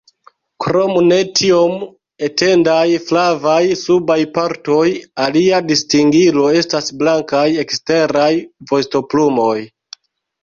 Krom ne tiom etendaj flavaj subaj partoj, alia distingilo estas blankaj eksteraj vostoplumoj.